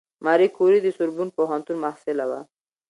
ماري کوري د سوربون پوهنتون محصله وه.